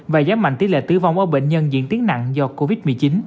và giảm mạnh tỷ lệ tử vong ở bệnh nhân diễn tiến nặng do covid một mươi chín